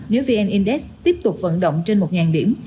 nếu vn index tiếp tục vận động trên một điểm